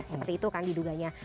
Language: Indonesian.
seperti itu kan diduganya